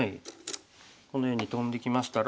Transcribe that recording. このようにトンできましたら。